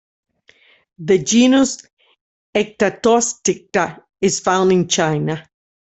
The genus "Ectatosticta" is found in China.